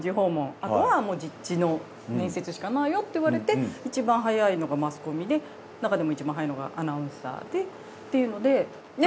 あとはもう実地の面接しかないよって言われていちばん早いのがマスコミでなかでもいちばん早いのがアナウンサーでっていうのでねっ。